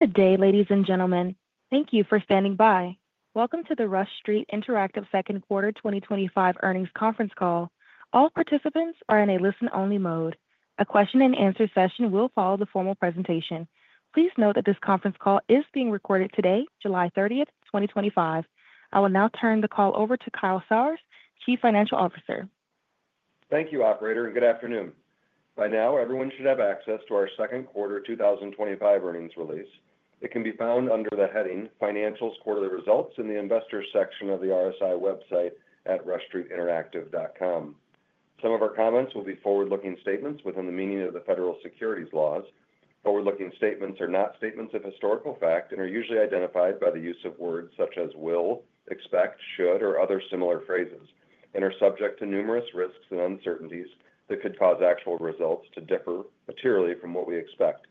Good day, ladies and gentlemen. Thank you for standing by. Welcome to the Rush Street Interactive second quarter 2025 earnings conference call. All participants are in a listen-only mode. A question-and-answer session will follow the formal presentation. Please note that this conference call is being recorded today, July 30th, 2025. I will now turn the call over to Kyle Sauers, Chief Financial Officer. Thank you, operator, and good afternoon. By now, everyone should have access to our second quarter 2025 earnings release. It can be found under the heading Financials Quarterly Results in the Investors section of the Rush Street Interactive website at rushstreetinteractive.com. Some of our comments will be forward-looking statements within the meaning of the federal securities laws. Forward-looking statements are not statements of historical fact and are usually identified by the use of words such as will, expect, should, or other similar phrases, and are subject to numerous risks and uncertainties that could cause actual results to differ materially from what we expect.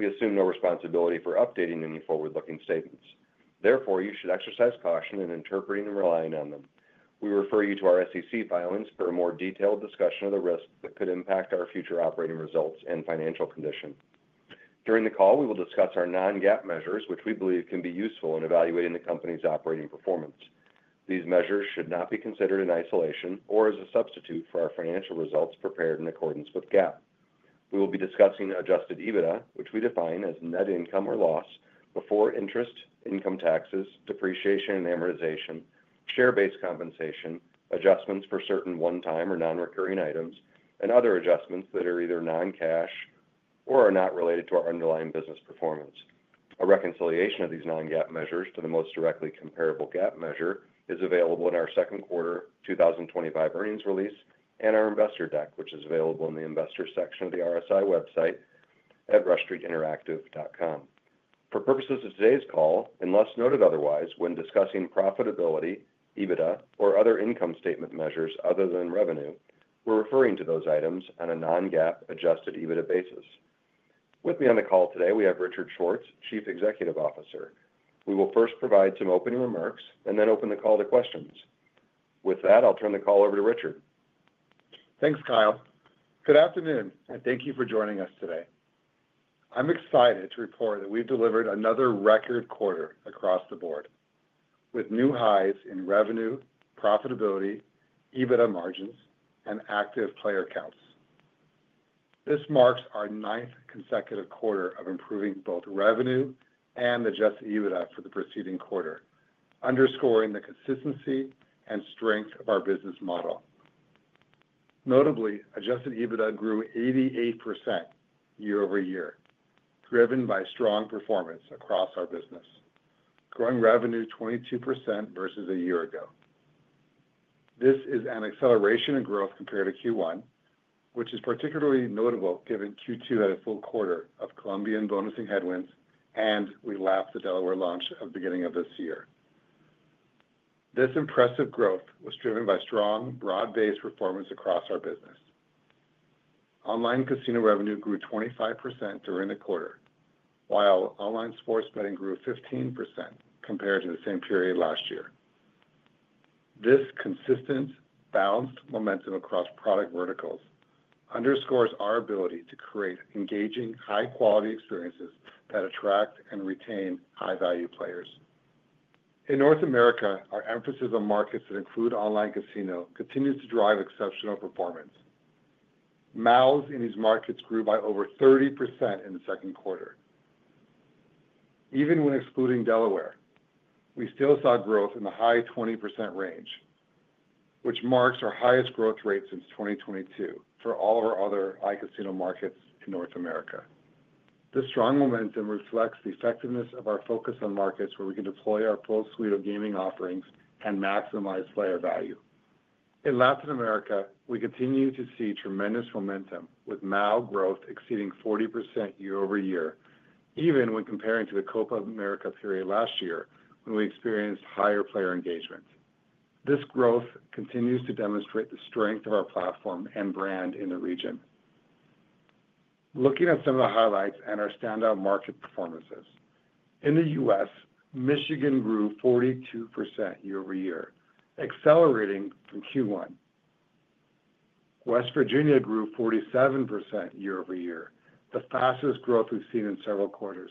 We assume no responsibility for updating any forward-looking statements. Therefore, you should exercise caution in interpreting and relying on them. We refer you to our SEC filings for a more detailed discussion of the risks that could impact our future operating results and financial condition. During the call, we will discuss our non-GAAP measures, which we believe can be useful in evaluating the company's operating performance. These measures should not be considered in isolation or as a substitute for our financial results prepared in accordance with GAAP. We will be discussing adjusted EBITDA, which we define as net income or loss before interest, income taxes, depreciation and amortization, share-based compensation, adjustments for certain one-time or non-recurring items, and other adjustments that are either non-cash or are not related to our underlying business performance. A reconciliation of these non-GAAP measures to the most directly comparable GAAP measure is available in our second quarter 2025 earnings release and our investor deck, which is available in the Investors section of the RS website at rushstreetinteractive.com. For purposes of today's call, unless noted otherwise, when discussing profitability, EBITDA, or other income statement measures other than revenue, we're referring to those items on a non-GAAP adjusted EBITDA basis. With me on the call today, we have Richard Schwartz, Chief Executive Officer. We will first provide some opening remarks and then open the call to questions. With that, I'll turn the call over to Richard. Thanks, Kyle. Good afternoon, and thank you for joining us today. I'm excited to report that we've delivered another record quarter across the board, with new highs in revenue, profitability, EBITDA margins, and active player counts. This marks our ninth consecutive quarter of improving both revenue and adjusted EBITDA for the preceding quarter, underscoring the consistency and strength of our business model. Notably, adjusted EBITDA grew 88% year-over-year, driven by strong performance across our business, growing revenue 22% versus a year ago. This is an acceleration in growth compared to Q1, which is particularly notable given Q2 had a full quarter of Colombian bonusing headwinds, and we launched the Delaware launch at the beginning of this year. This impressive growth was driven by strong, broad-based performance across our business. Online casino revenue grew 25% during the quarter, while online sports betting grew 15% compared to the same period last year. This consistent, balanced momentum across product verticals underscores our ability to create engaging, high-quality experiences that attract and retain high-value players. In North America, our emphasis on markets that include online casino continues to drive exceptional performance. MALs in these markets grew by over 30% in the second quarter. Even when excluding Delaware, we still saw growth in the high 20% range, which marks our highest growth rate since 2022 for all of our other iCasino markets in North America. This strong momentum reflects the effectiveness of our focus on markets where we can deploy our full suite of gaming offerings and maximize player value. In Latin America, we continue to see tremendous momentum, with MAL growth exceeding 40% year-over-year, even when comparing to the Copa America period last year, when we experienced higher player engagement. This growth continues to demonstrate the strength of our platform and brand in the region. Looking at some of the highlights and our standout market performances, in the U.S., Michigan grew 42% year-over-year, accelerating from Q1. West Virginia grew 47% year-over-year, the fastest growth we've seen in several quarters.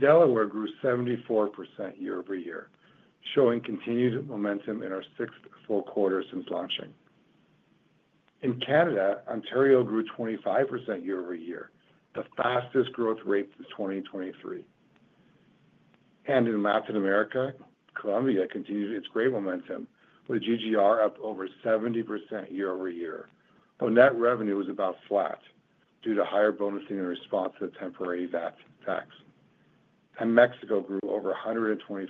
Delaware grew 74% year-over-year, showing continued momentum in our sixth full quarter since launching. In Canada, Ontario grew 25% year-over-year, the fastest growth rate since 2023. In Latin America, Colombia continued its great momentum, with GGR up over 70% year-over-year, though net revenue was about flat due to higher bonusing in response to the temporary VAT tax. Mexico grew over 125%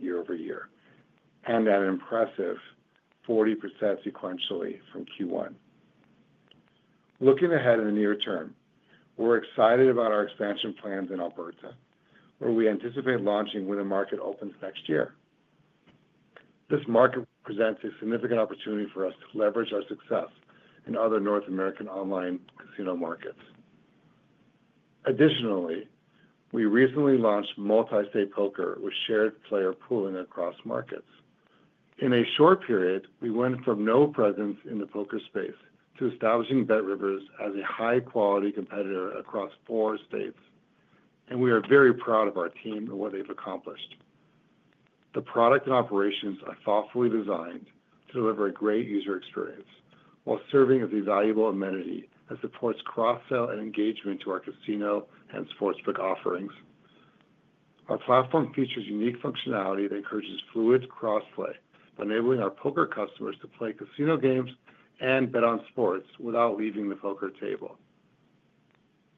year-over-year, and an impressive 40% sequentially from Q1. Looking ahead in the near term, we're excited about our expansion plans in Alberta, where we anticipate launching when the market opens next year. This market presents a significant opportunity for us to leverage our success in other North American online casino markets. Additionally, we recently launched multi-state poker with shared player pooling across markets. In a short period, we went from no presence in the poker space to establishing BetRivers as a high-quality competitor across four states, and we are very proud of our team and what they've accomplished. The product and operations are thoughtfully designed to deliver a great user experience, while serving as a valuable amenity that supports cross-sale and engagement to our casino and sportsbook offerings. Our platform features unique functionality that encourages fluid cross-play, enabling our poker customers to play casino games and bet on sports without leaving the poker table.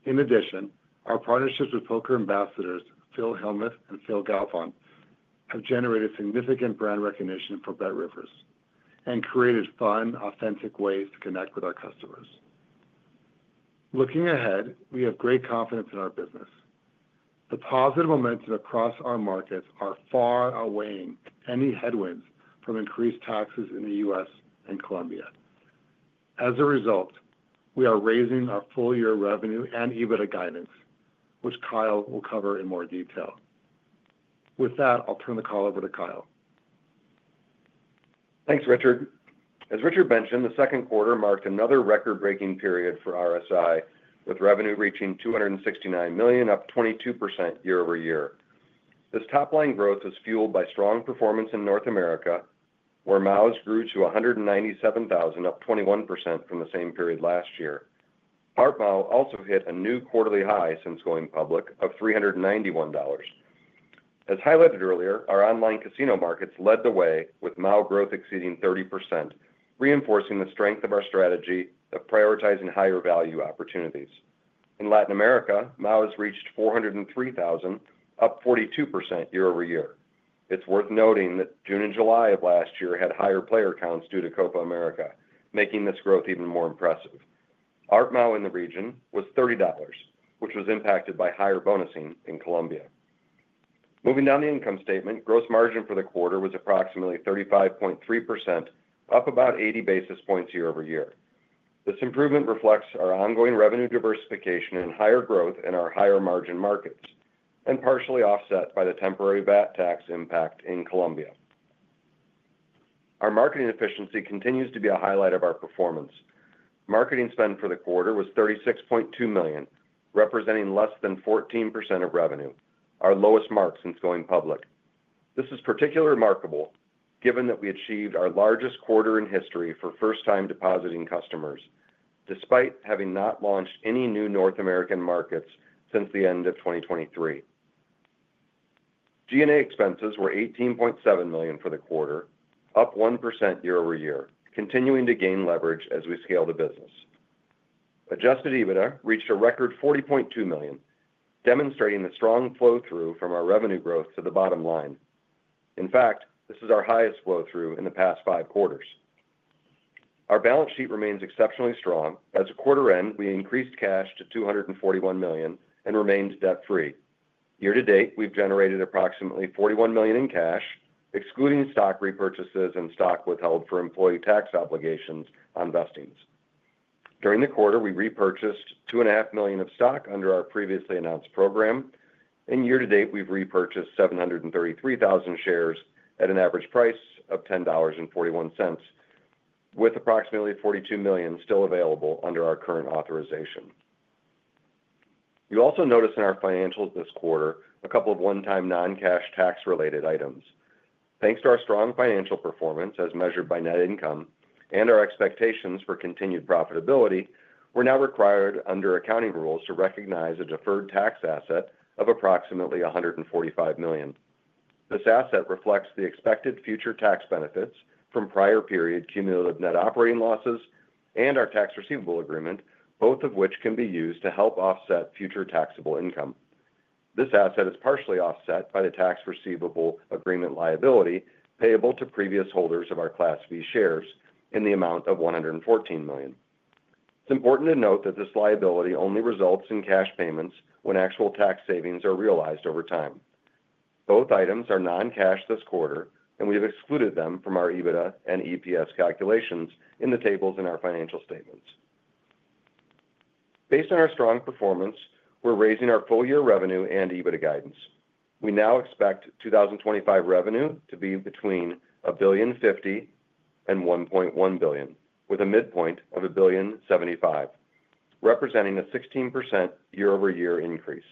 In addition, our partnerships with poker ambassadors, Phil Hellmuth and Phil Galfond, have generated significant brand recognition for BetRivers and created fun, authentic ways to connect with our customers. Looking ahead, we have great confidence in our business. The positive momentum across our markets is far outweighing any headwinds from increased taxes in the U.S. and Colombia. As a result, we are raising our full-year revenue and EBITDA guidance, which Kyle will cover in more detail. With that, I'll turn the call over to Kyle. Thanks, Richard. As Richard mentioned, the second quarter marked another record-breaking period for RSI with revenue reaching $269 million, up 22% year-over-year. This top-line growth was fueled by strong performance in North America, where MALs grew to 197,000, up 21% from the same period last year. Our MAL also hit a new quarterly high since going public of $391. As highlighted earlier, our online casino markets led the way, with MAL growth exceeding 30%, reinforcing the strength of our strategy of prioritizing higher value opportunities. In Latin America, MAL has reached 403,000, up 42% year-over-year. It's worth noting that June and July of last year had higher player counts due to Copa America, making this growth even more impressive. Our MAL in the region was $30, which was impacted by higher bonusing in Colombia. Moving down the income statement, gross margin for the quarter was approximately 35.3%, up about 80 basis points year-over-year. This improvement reflects our ongoing revenue diversification and higher growth in our higher margin markets, and partially offset by the temporary VAT tax impact in Colombia. Our marketing efficiency continues to be a highlight of our performance. Marketing spend for the quarter was $36.2 million, representing less than 14% of revenue, our lowest mark since going public. This is particularly remarkable, given that we achieved our largest quarter in history for first-time depositing customers, despite having not launched any new North American markets since the end of 2023. G&A expenses were $18.7 million for the quarter, up 1% year-over-year, continuing to gain leverage as we scaled the business. Adjusted EBITDA reached a record $40.2 million, demonstrating the strong flow-through from our revenue growth to the bottom line. In fact, this is our highest flow-through in the past five quarters. Our balance sheet remains exceptionally strong. As the quarter ends, we increased cash to $241 million and remained debt-free. Year to date, we've generated approximately $41 million in cash, excluding stock repurchases and stock withheld for employee tax obligations on vestings. During the quarter, we repurchased $2.5 million of stock under our previously announced program, and year to date, we've repurchased 733,000 shares at an average price of $10.41, with approximately $42 million still available under our current authorization. You'll also notice in our financials this quarter, a couple of one-time non-cash tax-related items. Thanks to our strong financial performance, as measured by net income, and our expectations for continued profitability, we're now required under accounting rules to recognize a deferred tax asset of approximately $145 million. This asset reflects the expected future tax benefits from prior period cumulative net operating losses and our tax receivable agreement, both of which can be used to help offset future taxable income. This asset is partially offset by the tax receivable agreement liability payable to previous holders of our Class B shares in the amount of $114 million. It's important to note that this liability only results in cash payments when actual tax savings are realized over time. Both items are non-cash this quarter, and we have excluded them from our EBITDA and EPS calculations in the tables in our financial statements. Based on our strong performance, we're raising our full-year revenue and EBITDA guidance. We now expect 2025 revenue to be between $1.05 billion and $1.1 billion, with a midpoint of $1.07 billion, representing a 16% year-over-year increase.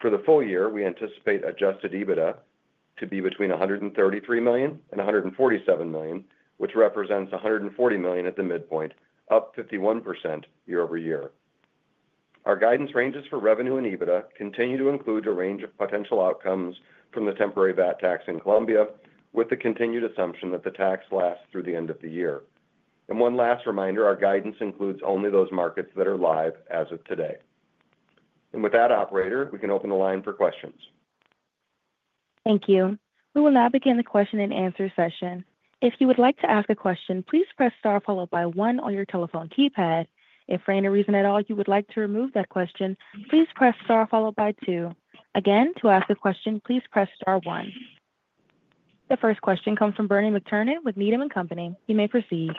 For the full year, we anticipate adjusted EBITDA to be between $133 million and $147 million, which represents $140 million at the midpoint, up 51% year-over-year. Our guidance ranges for revenue and EBITDA continue to include a range of potential outcomes from the temporary VAT tax in Colombia, with the continued assumption that the tax lasts through the end of the year. One last reminder, our guidance includes only those markets that are live as of today. With that, Operator, we can open the line for questions. Thank you. We will now begin the question-and-answer session. If you would like to ask a question, please press star followed by one on your telephone keypad. If for any reason at all you would like to remove that question, please press star followed by two. Again, to ask a question, please press star one. The first question comes from Bernie McTernan with Needham & Company. You may proceed.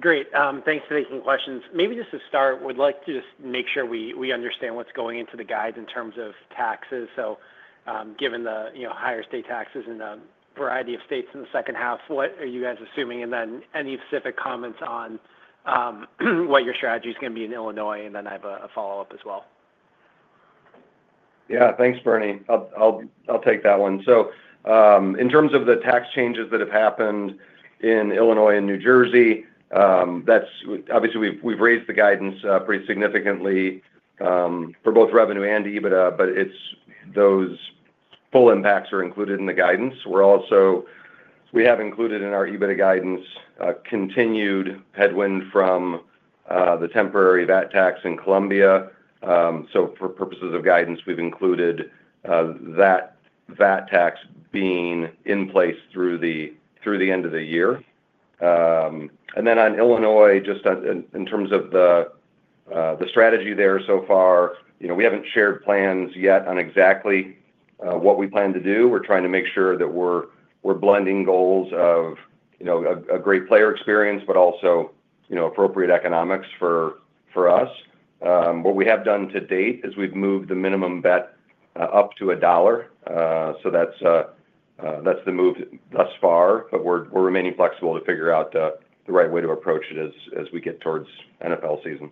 Great. Thanks for taking questions. Maybe just to start, we'd like to just make sure we understand what's going into the guides in terms of taxes. Given the higher state taxes in a variety of states in the second half, what are you guys assuming? Any specific comments on what your strategy is going to be in Illinois? I have a follow-up as well. Yeah, thanks, Bernie. I'll take that one. In terms of the tax changes that have happened in Illinois and New Jersey, obviously we've raised the guidance pretty significantly for both revenue and EBITDA, but those full impacts are included in the guidance. We've also included in our EBITDA guidance continued headwind from the temporary VAT tax in Colombia. For purposes of guidance, we've included that VAT tax being in place through the end of the year. On Illinois, just in terms of the strategy there so far, we haven't shared plans yet on exactly what we plan to do. We're trying to make sure that we're blending goals of a great player experience, but also appropriate economics for us. What we have done to date is we've moved the minimum bet up to $1. That's the move thus far, but we're remaining flexible to figure out the right way to approach it as we get towards NFL season.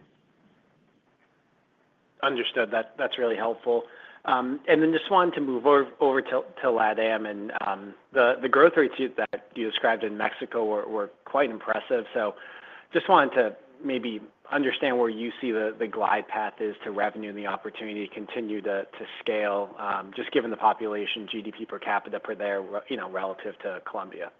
Understood. That's really helpful. I just wanted to move over to LATAM. The growth rates that you described in Mexico were quite impressive. I just wanted to maybe understand where you see the glide path is to revenue and the opportunity to continue to scale, just given the population, GDP per capita there, you know, relative to Colombia.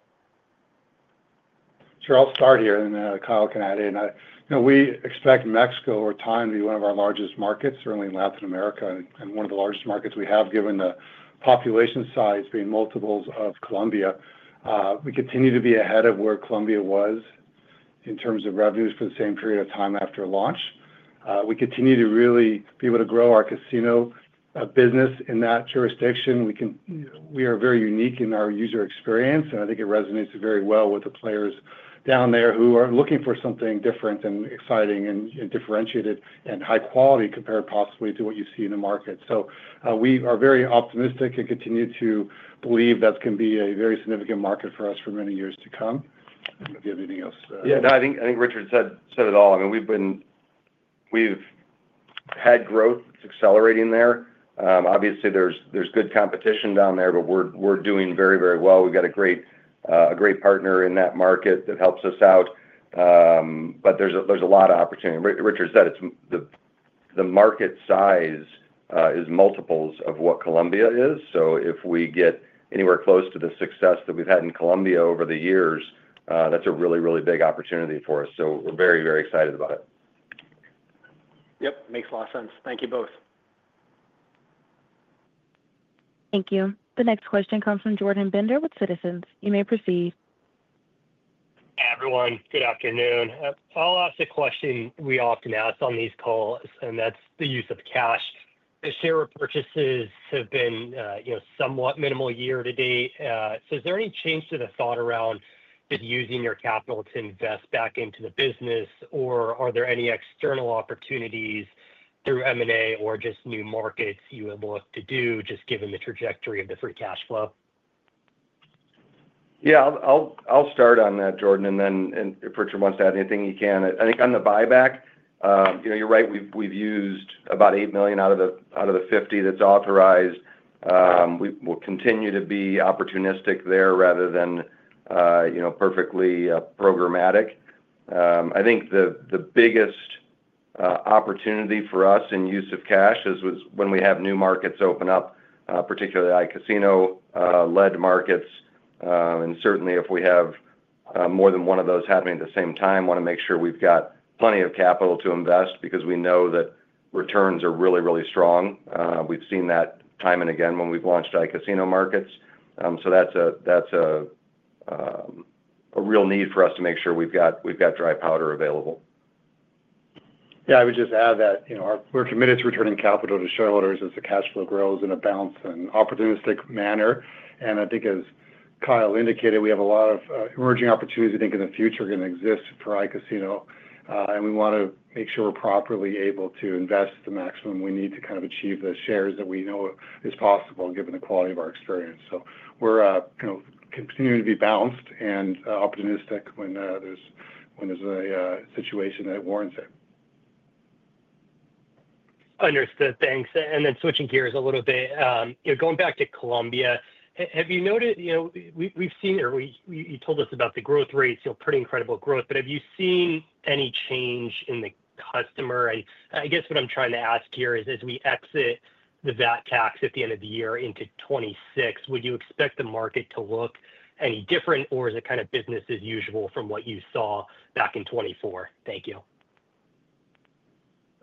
Sure, I'll start here and Kyle can add in. You know, we expect Mexico over time to be one of our largest markets, certainly in Latin America, and one of the largest markets we have, given the population size being multiples of Colombia. We continue to be ahead of where Colombia was in terms of revenues for the same period of time after launch. We continue to really be able to grow our casino business in that jurisdiction. We are very unique in our user experience, and I think it resonates very well with the players down there who are looking for something different and exciting and differentiated and high quality, compared possibly to what you see in the market. We are very optimistic and continue to believe that's going to be a very significant market for us for many years to come. Do you have anything else? Yeah, no, I think Richard said it all. I mean, we've had growth that's accelerating there. Obviously, there's good competition down there, but we're doing very, very well. We've got a great partner in that market that helps us out. There's a lot of opportunity. Richard said the market size is multiples of what Colombia is. If we get anywhere close to the success that we've had in Colombia over the years, that's a really, really big opportunity for us. We're very, very excited about it. Yep, makes a lot of sense. Thank you both. Thank you. The next question comes from Jordan Bender with Citizens. You may proceed. Hey, everyone. Good afternoon. I'll ask a question we often ask on these calls, and that's the use of cash. The share repurchases have been somewhat minimal year to date. Is there any change to the thought around just using your capital to invest back into the business, or are there any external opportunities through M&A or just new markets you would look to do, given the trajectory of different cash flow? Yeah, I'll start on that, Jordan, and then if Richard wants to add anything, he can. I think on the buyback, you're right. We've used about $8 million out of the $50 million that's authorized. We'll continue to be opportunistic there rather than, you know, perfectly programmatic. I think the biggest opportunity for us in use of cash is when we have new markets open up, particularly iCasino-led markets. If we have more than one of those happening at the same time, we want to make sure we've got plenty of capital to invest because we know that returns are really, really strong. We've seen that time and again when we've launched iCasino markets. That's a real need for us to make sure we've got dry powder available. Yeah, I would just add that we're committed to returning capital to shareholders as the cash flow grows in a balanced and opportunistic manner. I think, as Kyle indicated, we have a lot of emerging opportunities we think in the future are going to exist for iCasino. We want to make sure we're properly able to invest the maximum we need to kind of achieve the shares that we know is possible, given the quality of our experience. We're continuing to be balanced and optimistic when there's a situation that warrants it. Understood. Thanks. Switching gears a little bit, going back to Colombia, have you noticed, we've seen, or you told us about the growth rates, pretty incredible growth, but have you seen any change in the customer? I guess what I'm trying to ask here is, as we exit the VAT tax at the end of the year into 2026, would you expect the market to look any different, or is it kind of business as usual from what you saw back in 2024? Thank you.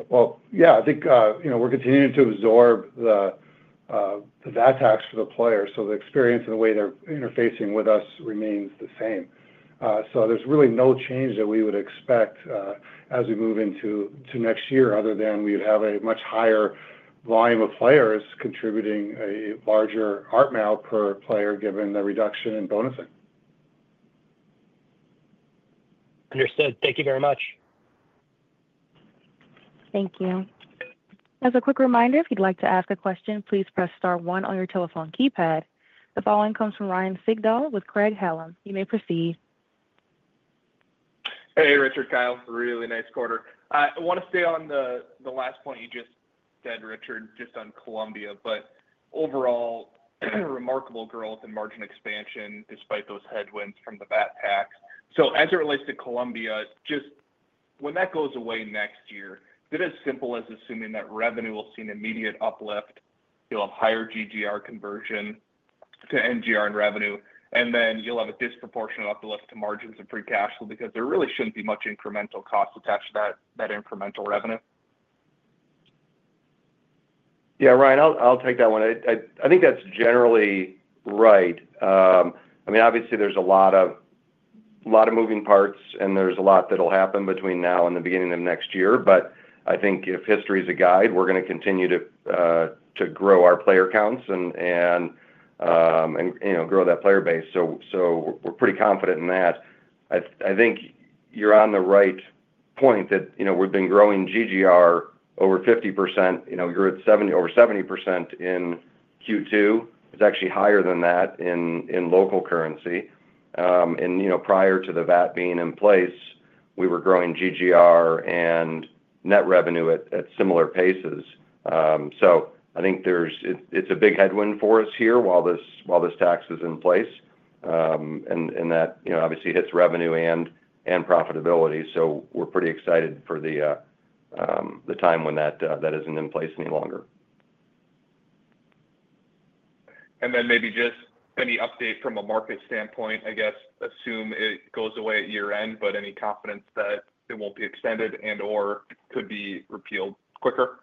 I think, you know, we're continuing to absorb the VAT tax for the players. The experience and the way they're interfacing with us remains the same. There's really no change that we would expect as we move into next year, other than we would have a much higher volume of players contributing a larger ARPMIL per player, given the reduction in bonusing. Understood. Thank you very much. Thank you. As a quick reminder, if you'd like to ask a question, please press star one on your telephone keypad. The following comes from Ryan Sigdahl with Craig-Hallum. You may proceed. Hey, Richard, Kyle, really nice quarter. I want to stay on the last point you just said, Richard, just on Colombia, but overall, remarkable growth and margin expansion despite those headwinds from the VAT tax. As it relates to Colombia, just when that goes away next year, is it as simple as assuming that revenue will see an immediate uplift? You'll have higher GGR conversion to NGR in revenue, and then you'll have a disproportionate uplift to margins and free cash flow because there really shouldn't be much incremental cost attached to that incremental revenue. Yeah, Ryan, I'll take that one. I think that's generally right. I mean, obviously, there's a lot of moving parts, and there's a lot that'll happen between now and the beginning of next year. I think if history is a guide, we're going to continue to grow our player counts and, you know, grow that player base. We're pretty confident in that. I think you're on the right point that, you know, we've been growing GGR over 50%. You're at 70% in Q2. It's actually higher than that in local currency. Prior to the VAT tax being in place, we were growing GGR and net revenue at similar paces. I think there's a big headwind for us here while this tax is in place. That obviously hits revenue and profitability. We're pretty excited for the time when that isn't in place any longer. Maybe just any update from a market standpoint. I guess assume it goes away at year end, but any confidence that it won't be extended and/or could be repealed quicker?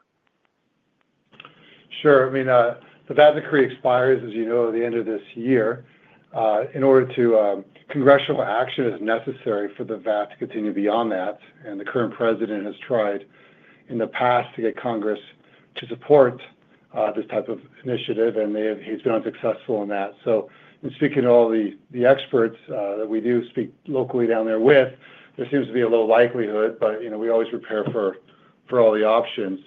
Sure. I mean, the VAT decree expires, as you know, at the end of this year. Congressional action is necessary for the VAT to continue beyond that. The current president has tried in the past to get Congress to support this type of initiative, and he's been unsuccessful in that. In speaking to all the experts that we do speak locally down there with, there seems to be a low likelihood, but, you know, we always prepare for all the options.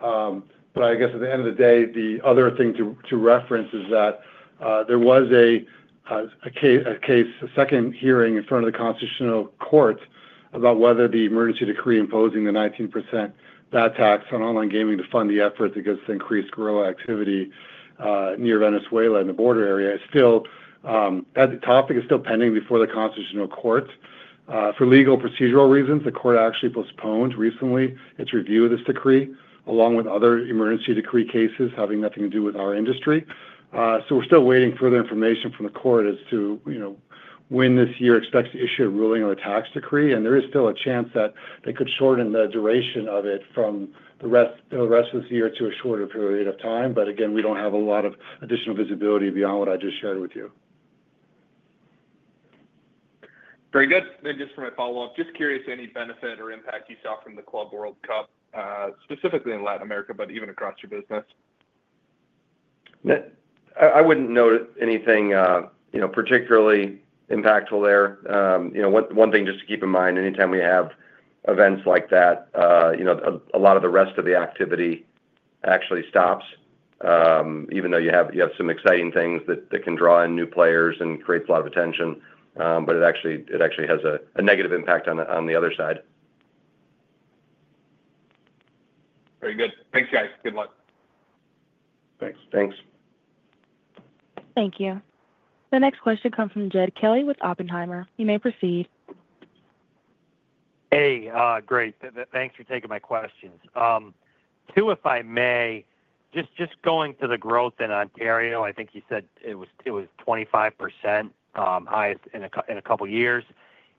At the end of the day, the other thing to reference is that there was a case, a second hearing in front of the Constitutional Court about whether the emergency decree imposing the 19% VAT tax on online gaming to fund the effort that goes to increase growth activity near Venezuela in the border area. That topic is still pending before the Constitutional Court. For legal procedural reasons, the court actually postponed recently its review of this decree, along with other emergency decree cases having nothing to do with our industry. We're still waiting for further information from the court as to, you know, when this year expects to issue a ruling on the tax decree. There is still a chance that they could shorten the duration of it from the rest of this year to a shorter period of time. Again, we don't have a lot of additional visibility beyond what I just shared with you. Very good. Just for my follow-up, just curious any benefit or impact you saw from the Club World Cup, specifically in Latin America, but even across your business? I wouldn't note anything particularly impactful there. One thing just to keep in mind, anytime we have events like that, a lot of the rest of the activity actually stops, even though you have some exciting things that can draw in new players and create a lot of attention. It actually has a negative impact on the other side. Very good. Thanks, guys. Good luck. Thanks. Thanks. Thank you. The next question comes from Jed Kelly with Oppenheimer. You may proceed. Hey, great. Thanks for taking my questions. Two, if I may, just going to the growth in Ontario, I think you said it was 25% highest in a couple of years.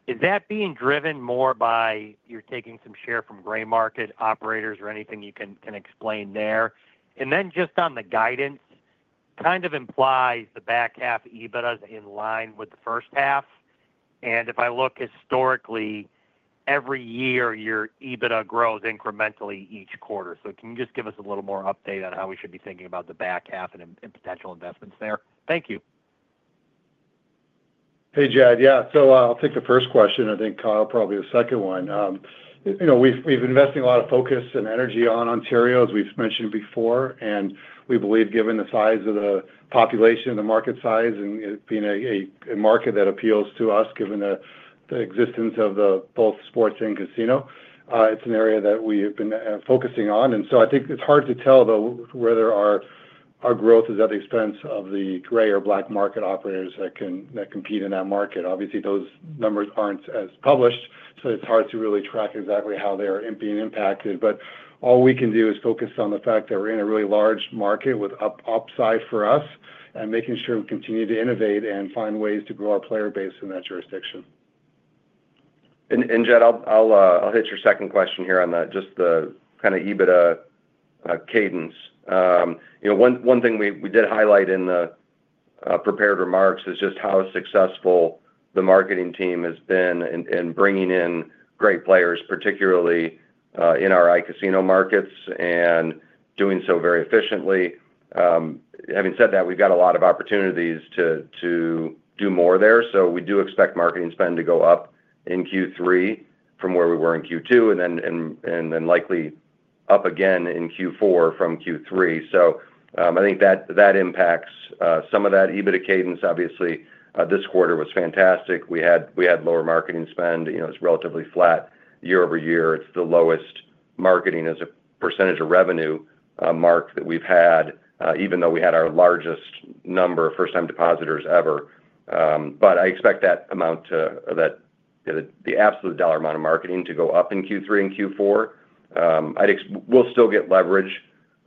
Is that being driven more by you're taking some share from gray market operators or anything you can explain there? Just on the guidance, it kind of implies the back half EBITDA is in line with the first half. If I look historically, every year your EBITDA grows incrementally each quarter. Can you just give us a little more update on how we should be thinking about the back half and potential investments there? Thank you. Hey, Jed. Yeah, so I'll take the first question. I think Kyle probably the second one. You know, we've invested a lot of focus and energy on Ontario, as we've mentioned before. We believe, given the size of the population, the market size, and it being a market that appeals to us, given the existence of both sports and casino, it's an area that we've been focusing on. I think it's hard to tell, though, whether our growth is at the expense of the gray or black market operators that compete in that market. Obviously, those numbers aren't as published, so it's hard to really track exactly how they're being impacted. All we can do is focus on the fact that we're in a really large market with upside for us and making sure we continue to innovate and find ways to grow our player base in that jurisdiction. Jed, I'll hit your second question here on just the kind of EBITDA cadence. One thing we did highlight in the prepared remarks is just how successful the marketing team has been in bringing in great players, particularly in our iCasino markets, and doing so very efficiently. Having said that, we've got a lot of opportunities to do more there. We do expect marketing spend to go up in Q3 from where we were in Q2, and then likely up again in Q4 from Q3. I think that impacts some of that EBITDA cadence. Obviously, this quarter was fantastic. We had lower marketing spend. It was relatively flat year over year. It's the lowest marketing as a percent of revenue mark that we've had, even though we had our largest number of first-time depositors ever. I expect that the absolute dollar amount of marketing to go up in Q3 and Q4. We'll still get leverage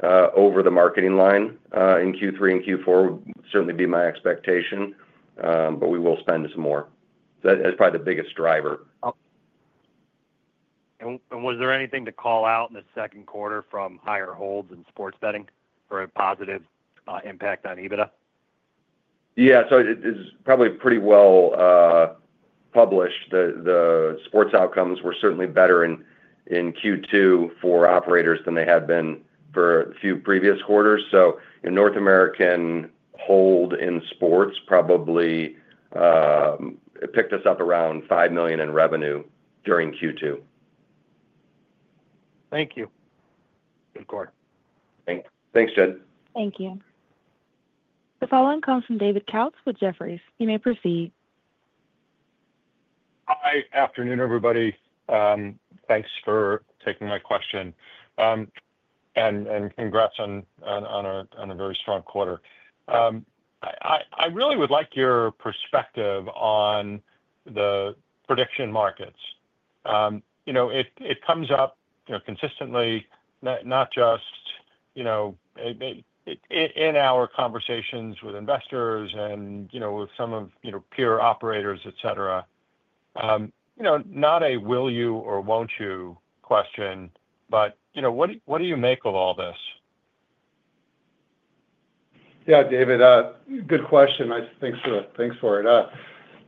over the marketing line in Q3 and Q4. It would certainly be my expectation, but we will spend some more. That's probably the biggest driver. Was there anything to call out in the second quarter from higher holds in sports betting for a positive impact on EBITDA? Yeah, so it's probably pretty well published. The sports outcomes were certainly better in Q2 for operators than they had been for a few previous quarters. In North American hold in sports, probably it picked us up around $5 million in revenue during Q2. Thank you. Good call. Thanks, Jed. Thank you. The following comes from David Katz with Jefferies. You may proceed. Hi, afternoon, everybody. Thanks for taking my question. And congrats on a very strong quarter. I really would like your perspective on the prediction markets. It comes up consistently, not just in our conversations with investors and with some of peer operators, etc. Not a will you or won't you question, but what do you make of all this? Yeah. David, good question. Thanks for it.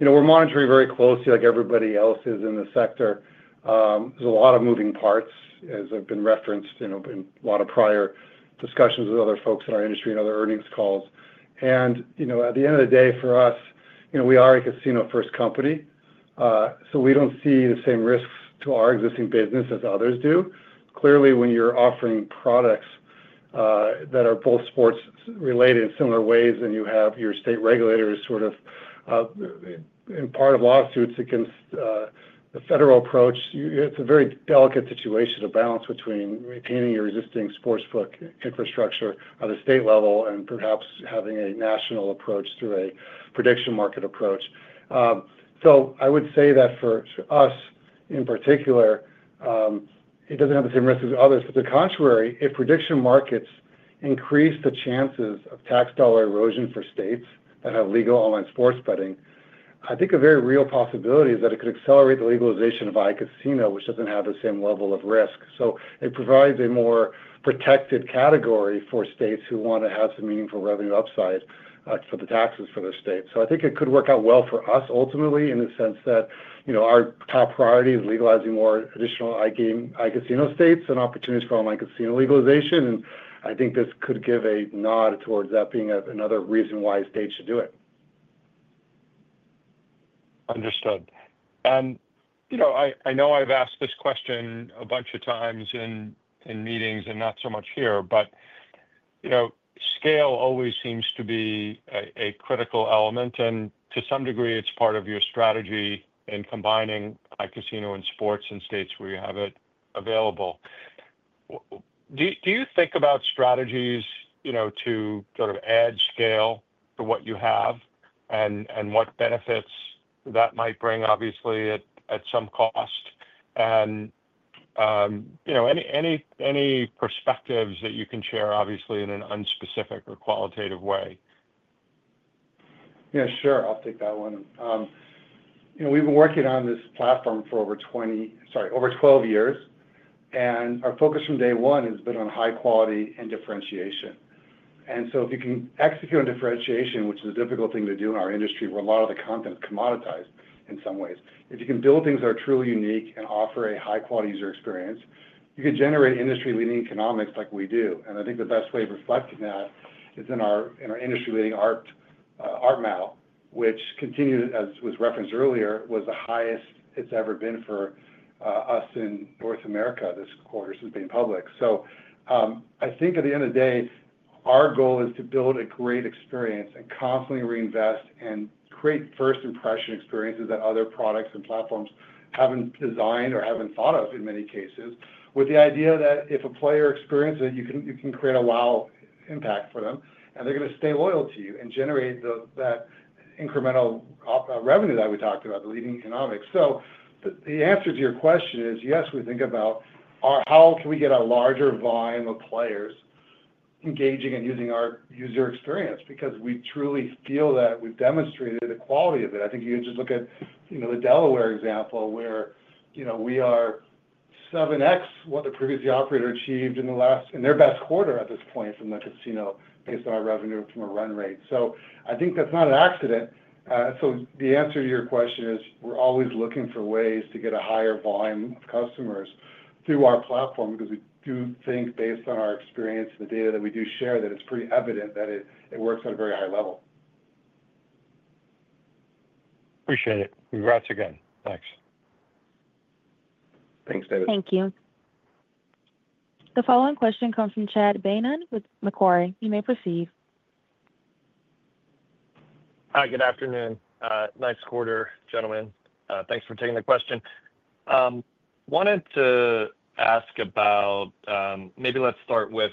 We're monitoring very closely, like everybody else is in the sector. There's a lot of moving parts, as I've referenced in a lot of prior discussions with other folks in our industry and other earnings calls. At the end of the day, for us, we are a casino-first company. We don't see the same risks to our existing business as others do. Clearly, when you're offering products that are both sports-related in similar ways, and you have your state regulators sort of in part of lawsuits against the federal approach, it's a very delicate situation to balance between retaining your existing sportsbook infrastructure at a state level and perhaps having a national approach through a prediction market approach. I would say that for us in particular, it doesn't have the same risks as others. On the contrary, if prediction markets increase the chances of tax dollar erosion for states that have legal online sports betting, I think a very real possibility is that it could accelerate the legalization of iCasino, which doesn't have the same level of risk. It provides a more protected category for states who want to have some meaningful revenue upside for the taxes for those states. I think it could work out well for us ultimately in the sense that our top priority is legalizing more additional iCasino states and opportunities for online casino legalization. I think this could give a nod towards that being another reason why states should do it. Understood. I know I've asked this question a bunch of times in meetings and not so much here, but scale always seems to be a critical element. To some degree, it's part of your strategy in combining iCasino and sports in states where you have it available. Do you think about strategies to sort of add scale to what you have and what benefits that might bring, obviously, at some cost? Any perspectives that you can share, obviously, in an unspecific or qualitative way? Yeah, sure. I'll take that one. We've been working on this platform for over 12 years. Our focus from day one has been on high quality and differentiation. If you can execute on differentiation, which is a difficult thing to do in our industry where a lot of the content is commoditized in some ways, if you can build things that are truly unique and offer a high-quality user experience, you can generate industry-leading economics like we do. I think the best way of reflecting that is in our industry-leading ARPU, which continued, as was referenced earlier, was the highest it's ever been for us in North America this quarter since being public. At the end of the day, our goal is to build a great experience and constantly reinvest and create first-impression experiences that other products and platforms haven't designed or haven't thought of in many cases, with the idea that if a player experiences it, you can create a wow impact for them, and they're going to stay loyal to you and generate that incremental revenue that we talked about, the leading economics. The answer to your question is, yes, we think about how can we get a larger volume of players engaging and using our user experience because we truly feel that we've demonstrated the quality of it. I think you could just look at the Delaware example where we are 7x what the previous operator achieved in their best quarter at this point from the casino based on our revenue from a run rate. I think that's not an accident. The answer to your question is we're always looking for ways to get a higher volume of customers through our platform because we do think, based on our experience and the data that we do share, that it's pretty evident that it works at a very high level. Appreciate it. Congrats again. Thanks. Thanks, David. Thank you. The following question comes from Chad Beynon with Macquarie. You may proceed. Hi, good afternoon. Nice quarter, gentlemen. Thanks for taking the question. I wanted to ask about, maybe let's start with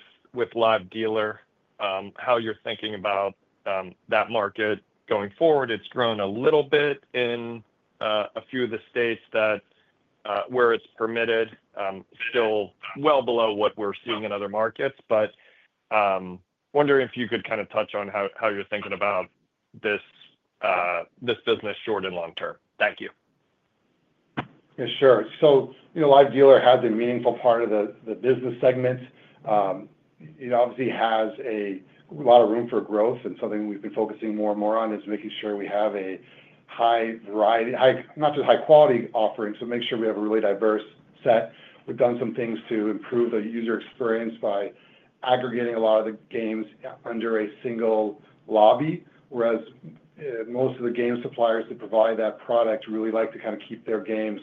Live Dealer, how you're thinking about that market going forward. It's grown a little bit in a few of the states where it's permitted, still well below what we're seeing in other markets. I'm wondering if you could kind of touch on how you're thinking about this business short and long term. Thank you. Yeah, sure. Live Dealer has a meaningful part of the business segment. It obviously has a lot of room for growth, and something we've been focusing more and more on is making sure we have a high variety, not just high-quality offerings, but make sure we have a really diverse set. We've done some things to improve the user experience by aggregating a lot of the games under a single lobby, whereas most of the game suppliers that provide that product really like to keep their games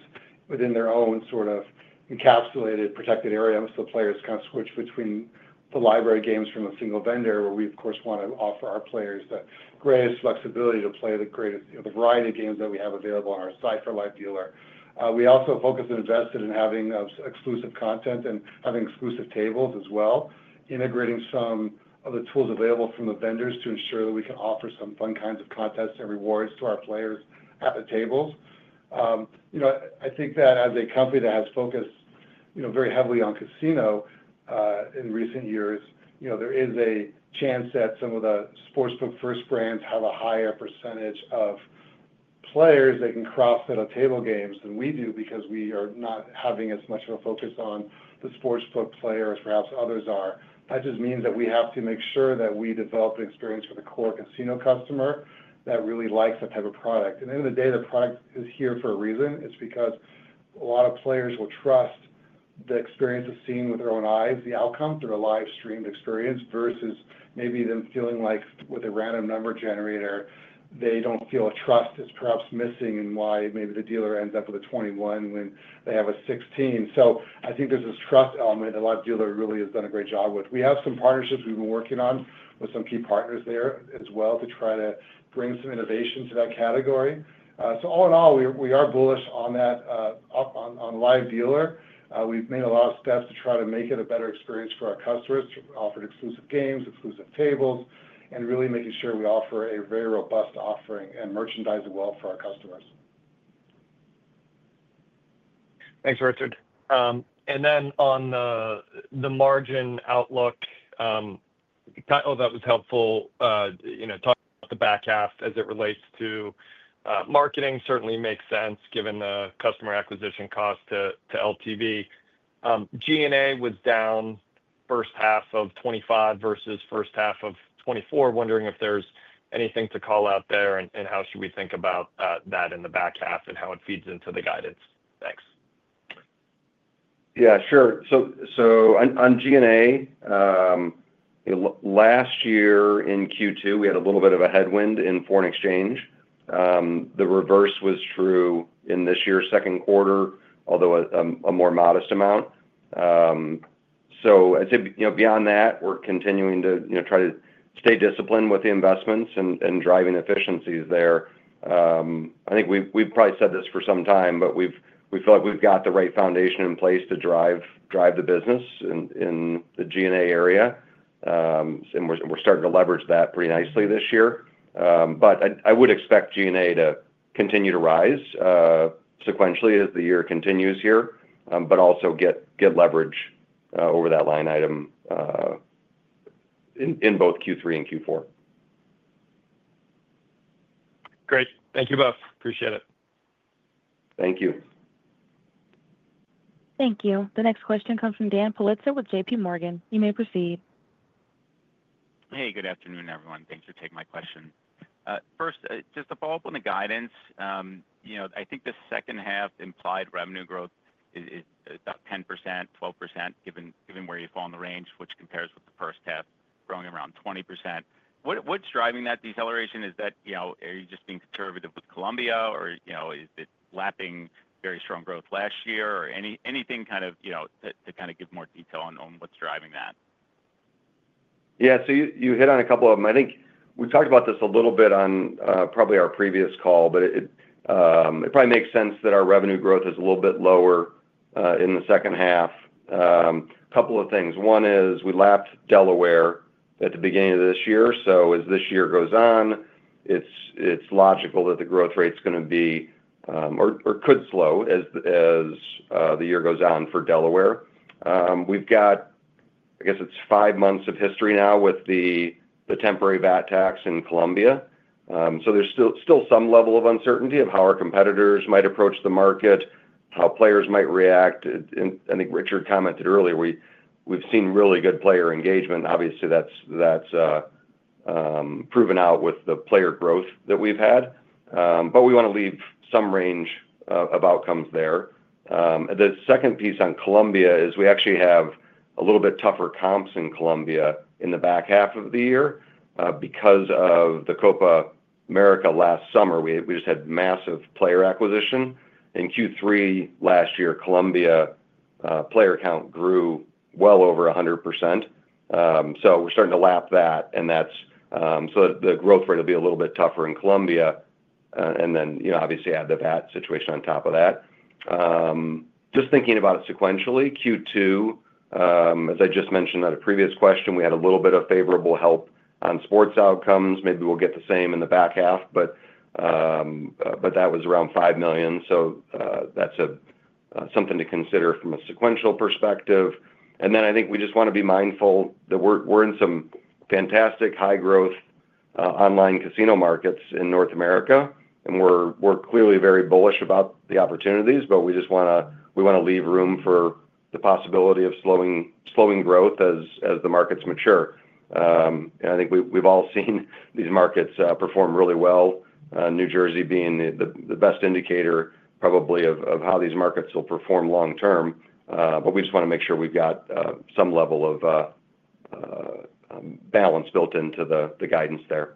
within their own sort of encapsulated protected area. Players kind of switch between the library games from the single vendor, where we, of course, want to offer our players the greatest flexibility to play the greatest variety of games that we have available on our site for Live Dealer. We also focus and invest in having exclusive content and having exclusive tables as well, integrating some of the tools available from the vendors to ensure that we can offer some fun kinds of contests and rewards to our players at the tables. I think that as a company that has focused very heavily on casino in recent years, there is a chance that some of the sportsbook-first brands have a higher percentage of players they can cross at a table game than we do because we are not having as much of a focus on the sportsbook player as perhaps others are. That just means that we have to make sure that we develop an experience for the core casino customer that really likes that type of product. At the end of the day, the product is here for a reason. It's because a lot of players will trust the experience of seeing with their own eyes the outcome through a live-streamed experience versus maybe them feeling like with a random number generator, they don't feel a trust is perhaps missing and why maybe the dealer ends up with a 21 when they have a 16. I think there's this trust element that Live Dealer really has done a great job with. We have some partnerships we've been working on with some key partners there as well to try to bring some innovation to that category. All in all, we are bullish on that, up on Live Dealer. We've made a lot of steps to try to make it a better experience for our customers, offered exclusive games, exclusive tables, and really making sure we offer a very robust offering and merchandise as well for our customers. Thanks, Richard. On the margin outlook, that was helpful. You know, talk about the back half as it relates to marketing certainly makes sense given the customer acquisition cost to LTV. G&A was down first half of 2025 versus first half of 2024. Wondering if there's anything to call out there and how should we think about that in the back half and how it feeds into the guidance. Thanks. Yeah, sure. On G&A, last year in Q2, we had a little bit of a headwind in foreign exchange. The reverse was true in this year's second quarter, although a more modest amount. I'd say, beyond that, we're continuing to try to stay disciplined with the investments and driving efficiencies there. I think we've probably said this for some time, but we feel like we've got the right foundation in place to drive the business in the G&A area. We're starting to leverage that pretty nicely this year. I would expect G&A to continue to rise sequentially as the year continues here, but also get leverage over that line item in both Q3 and Q4. Great. Thank you both. Appreciate it. Thank you. Thank you. The next question comes from Dan Politzer with JP Morgan. You may proceed. Hey, good afternoon, everyone. Thanks for taking my question. First, just to follow up on the guidance, I think the second half implied revenue growth is about 10%-12%, given where you fall in the range, which compares with the first half growing around 20%. What's driving that deceleration? Are you just being conservative with Colombia, or is it lapping very strong growth last year, or anything to give more detail on what's driving that? Yeah, you hit on a couple of them. I think we talked about this a little bit on probably our previous call, but it probably makes sense that our revenue growth is a little bit lower in the second half. A couple of things. One is we lapped Delaware at the beginning of this year. As this year goes on, it's logical that the growth rate's going to be or could slow as the year goes on for Delaware. We've got, I guess it's five months of history now with the temporary VAT tax in Colombia. There's still some level of uncertainty of how our competitors might approach the market, how players might react. I think Richard commented earlier, we've seen really good player engagement. Obviously, that's proven out with the player growth that we've had. We want to leave some range of outcomes there. The second piece on Colombia is we actually have a little bit tougher comps in Colombia in the back half of the year because of the Copa America last summer. We just had massive player acquisition. In Q3 last year, Colombia's player count grew well over 100%. We're starting to lap that. That means the growth rate will be a little bit tougher in Colombia. You know, obviously add the VAT situation on top of that. Just thinking about it sequentially, Q2, as I just mentioned on a previous question, we had a little bit of favorable help on sports outcomes. Maybe we'll get the same in the back half, but that was around $5 million. That's something to consider from a sequential perspective. I think we just want to be mindful that we're in some fantastic high-growth online casino markets in North America. We're clearly very bullish about the opportunities, but we just want to leave room for the possibility of slowing growth as the markets mature. I think we've all seen these markets perform really well, New Jersey being the best indicator probably of how these markets will perform long-term. We just want to make sure we've got some level of balance built into the guidance there.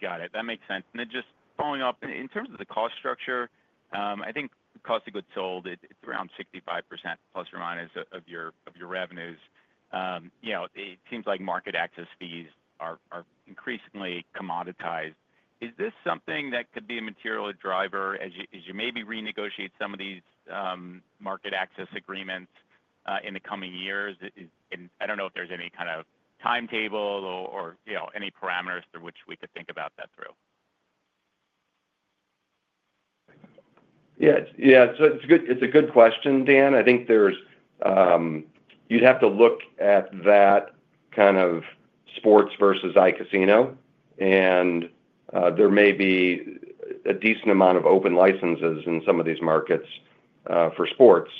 Got it. That makes sense. Just following up in terms of the cost structure, I think the cost of goods sold, it's around 65%± of your revenues. It seems like market access fees are increasingly commoditized. Is this something that could be a material driver as you maybe renegotiate some of these market access agreements in the coming years? I don't know if there's any kind of timetable or any parameters through which we could think about that through. Yeah, yeah, it's a good question, Dan. I think you'd have to look at that kind of sports versus iCasino. There may be a decent amount of open licenses in some of these markets for sports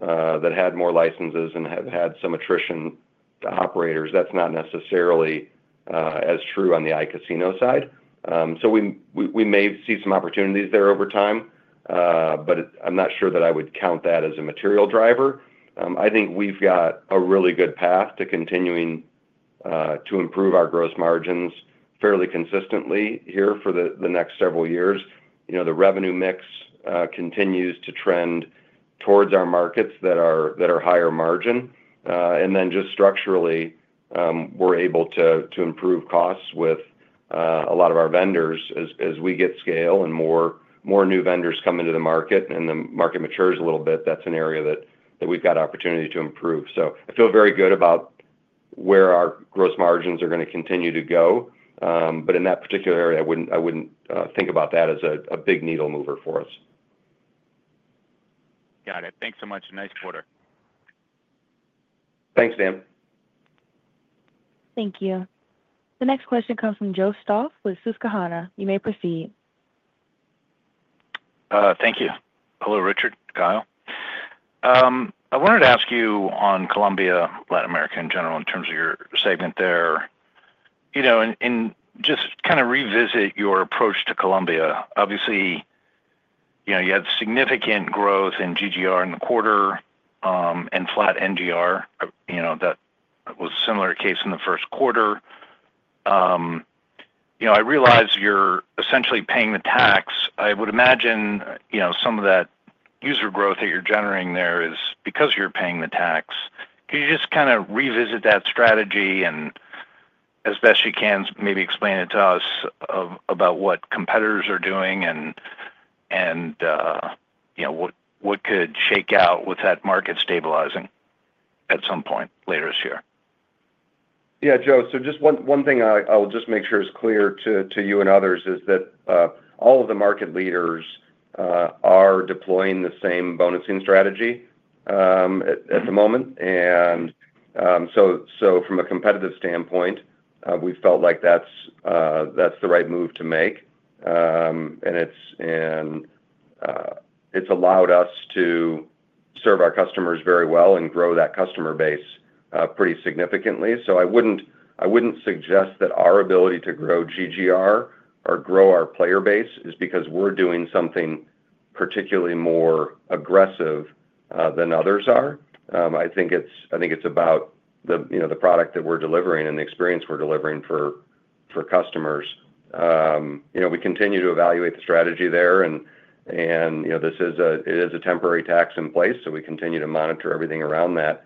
that had more licenses and have had some attrition to operators. That's not necessarily as true on the iCasino side. We may see some opportunities there over time, but I'm not sure that I would count that as a material driver. I think we've got a really good path to continuing to improve our gross margins fairly consistently here for the next several years. The revenue mix continues to trend towards our markets that are higher margin. Then just structurally, we're able to improve costs with a lot of our vendors. As we get scale and more new vendors come into the market and the market matures a little bit, that's an area that we've got opportunity to improve. I feel very good about where our gross margins are going to continue to go. In that particular area, I wouldn't think about that as a big needle mover for us. Got it. Thanks so much. Nice quarter. Thanks, Dan. Thank you. The next question comes from Joe Stauff with Susquehanna. You may proceed. Thank you. Hello, Richard, Kyle. I wanted to ask you on Colombia, Latin America in general, in terms of your segment there, and just kind of revisit your approach to Colombia. Obviously, you had significant growth in GGR in the quarter and flat NGR. That was a similar case in the first quarter. I realize you're essentially paying the tax. I would imagine some of that user growth that you're generating there is because you're paying the tax. Could you just kind of revisit that strategy and as best you can, maybe explain it to us about what competitors are doing and what could shake out with that market stabilizing at some point later this year? Yeah, Joe, just one thing I'll make sure is clear to you and others is that all of the market leaders are deploying the same bonusing strategy at the moment. From a competitive standpoint, we've felt like that's the right move to make, and it's allowed us to serve our customers very well and grow that customer base pretty significantly. I wouldn't suggest that our ability to grow GGR or grow our player base is because we're doing something particularly more aggressive than others are. I think it's about the product that we're delivering and the experience we're delivering for customers. We continue to evaluate the strategy there, and it is a temporary tax in place. We continue to monitor everything around that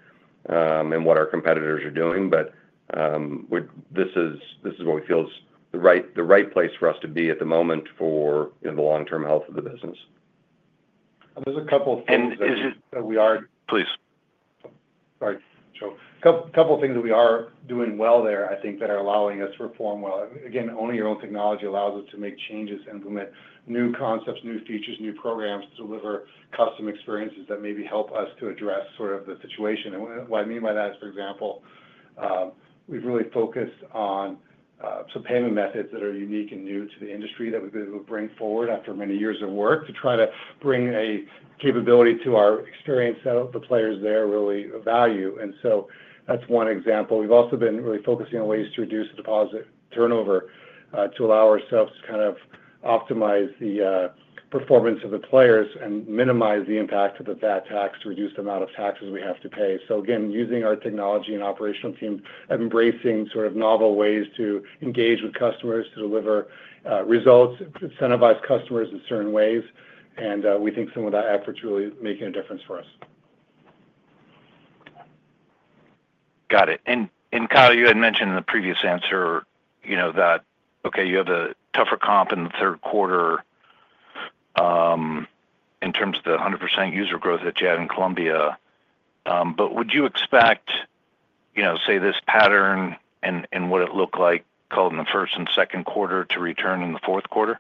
and what our competitors are doing. This is what we feel is the right place for us to be at the moment for the long-term health of the business. Those are a couple of things that we are. Please. Sorry, Joe. A couple of things that we are doing well there, I think, that are allowing us to perform well. Again, owning your own technology allows us to make changes and implement new concepts, new features, new programs to deliver custom experiences that maybe help us to address sort of the situation. What I mean by that is, for example, we've really focused on some payment methods that are unique and new to the industry that we've been able to bring forward after many years of work to try to bring a capability to our experience that the players there really value. That's one example. We've also been really focusing on ways to reduce the deposit turnover to allow ourselves to kind of optimize the performance of the players and minimize the impact of the VAT tax to reduce the amount of taxes we have to pay. Again, using our technology and operational team, I'm embracing sort of novel ways to engage with customers to deliver results, incentivize customers in certain ways. We think some of that effort's really making a difference for us. Got it. Kyle, you had mentioned in the previous answer that you have a tougher comp in the third quarter in terms of the 100% user growth that you had in Colombia. Would you expect this pattern and what it looked like in the first and second quarter to return in the fourth quarter?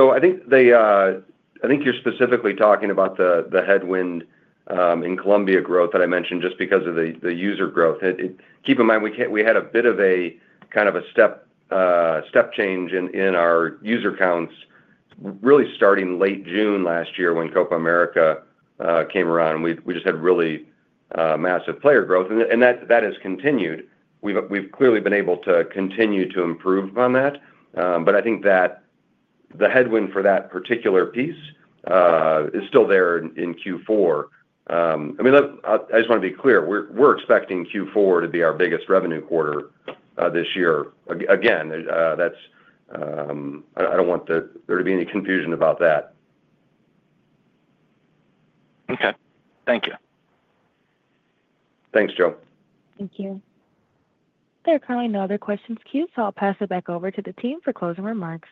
I think you're specifically talking about the headwind in Colombia growth that I mentioned just because of the user growth. Keep in mind, we had a bit of a kind of a step change in our user counts really starting late June last year when Copa America came around. We just had really massive player growth, and that has continued. We've clearly been able to continue to improve on that. I think that the headwind for that particular piece is still there in Q4. I just want to be clear. We're expecting Q4 to be our biggest revenue quarter this year. Again, I don't want there to be any confusion about that. Okay, thank you. Thanks, Joe. Thank you. There are currently no other questions queued, so I'll pass it back over to the team for closing remarks.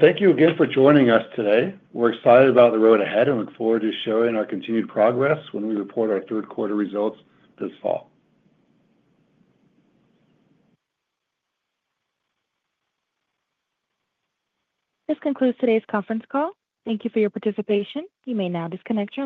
Thank you again for joining us today. We're excited about the road ahead and look forward to sharing our continued progress when we report our third quarter results this fall. This concludes today's conference call. Thank you for your participation. You may now disconnect.